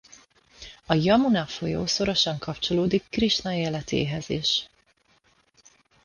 A Jamuna-folyó szorosan kapcsolódik Krisna életéhez is.